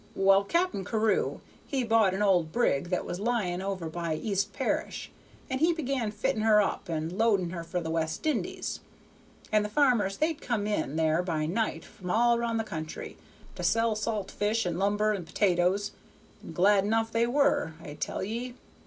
Well, Cap'n Carew he bought an old brig that was lying over by East Parish, and he began fitting her up and loading her for the West Indies, and the farmers they'd come in there by night from all round the country, to sell salt fish and lumber and potatoes, and glad enough they were, I tell ye.